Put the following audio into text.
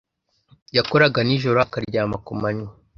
Yakoraga nijoro akaryama ku manywa.